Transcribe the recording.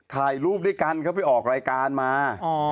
ถ่ายรูปด้วยกันเขาไปออกรายการมา